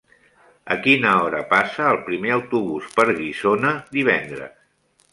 A quina hora passa el primer autobús per Guissona divendres?